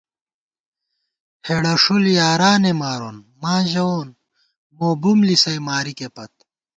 ہېڑہ ݭُل یارانےمارون ، ماں ژَوون ، مو بُم لِسَئ مارِکے پت